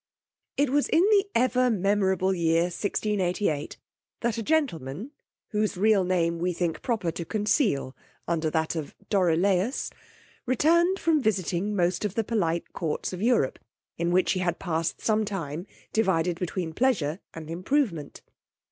It was in the ever memorable year 1688, that a gentleman, whose real name we think proper to conceal under that of Dorilaus, returned from visiting most of the polite courts of Europe, in which he had passed some time divided between pleasure and improvement.